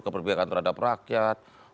keperbihakan terhadap rakyat